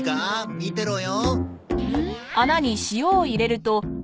見てろよ。